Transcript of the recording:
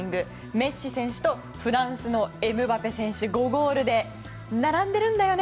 メッシ選手とフランスのエムバペ選手が５ゴールで並んでいるんだよね。